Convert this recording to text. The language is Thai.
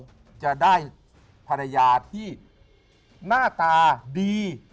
ชิคกี้พายจะได้ภรรยาที่หน้าตาดี